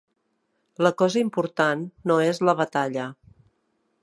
La cosa important no és la batalla.